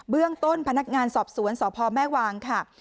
เรื่องต้นพนักงานสอบสวนสพแม่วางค่ะ